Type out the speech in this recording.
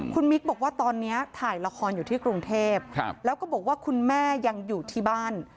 คุณมิ๊กบอกว่าตอนนี้ถ่ายละครอยู่ที่กรุงเทพแล้วก็บอกว่าคุณแม่ยังอยู่ที่บ้าน